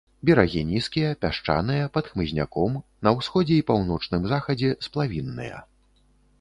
Берагі нізкія, пясчаныя, пад хмызняком, на ўсходзе і паўночным захадзе сплавінныя.